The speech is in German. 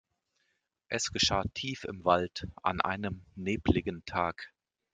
Es geschah tief im Wald an einem nebeligen Tag.